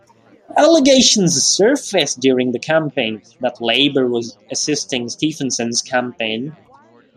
Allegations surfaced during the campaign that Labor was assisting Stephenson's campaign.